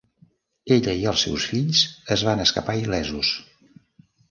Ella i els seus fills en van escapar il·lesos.